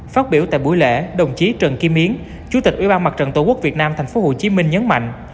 phát biểu tại buổi lễ đồng chí trần kim yến chủ tịch ủy ban mặt trận tổ quốc việt nam tp hcm nhấn mạnh